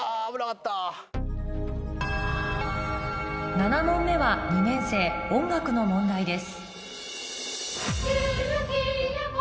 ７問目は２年生音楽の問題です